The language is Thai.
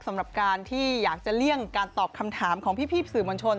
สำหรับการที่อยากจะเลี่ยงการตอบคำถามของพี่สื่อมวลชน